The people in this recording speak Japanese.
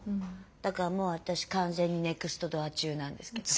だからもう私完全にネクストドア中なんですけど。